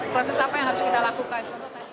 proses apa yang harus kita lakukan